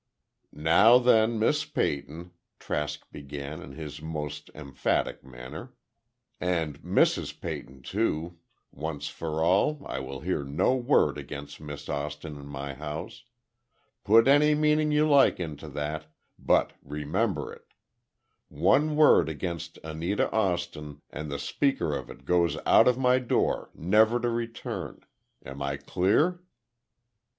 "Now then, Miss Peyton," Trask began, in his most emphatic manner, "and Mrs. Peyton, too, once for all, I will hear no word against Miss Austin in my house. Put any meaning you like into that, but remember it. One word against Anita Austin, and the speaker of it goes out of my door never to return. Am I clear?"